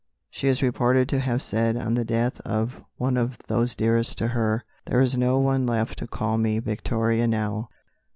She is reported to have said on the death of one of those nearest to her: "There is no one left to call me Victoria now!"